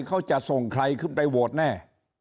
เขาจะส่งใครขึ้นไปโหวตแน่